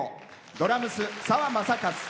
ドラムス、澤雅一。